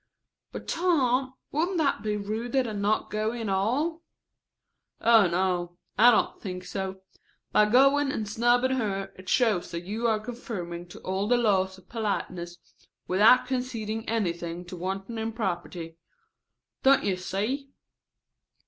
"But, Tom, wouldn't that be ruder than not going at all?" "Oh, no. I don't think so. By going and snubbing her, it shows that you are conforming to all the laws of politeness without conceding anything to wanton impropriety. Don't you see?"